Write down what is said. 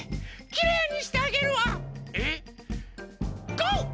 ゴー！